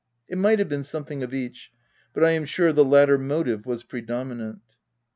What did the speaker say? It might have been something of each, but I am sure the latter motive was predominant.